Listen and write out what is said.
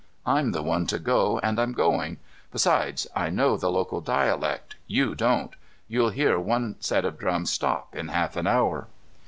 I'm the one to go and I'm going. Besides, I know the local dialect. You don't. You'll hear one set of drums stop in half an hour."